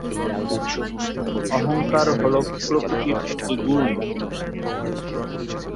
অহংকার হল প্রকৃতির একটি গুণ।